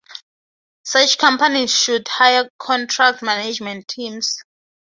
Such companies should hire contract management teams.